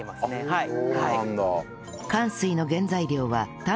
はい。